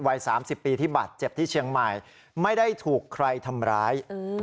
วัย๓๐ปีที่บาดเจ็บที่เชียงใหม่ไม่ได้ถูกใครทำร้าย